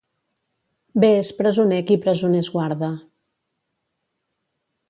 Bé és presoner qui presoners guarda.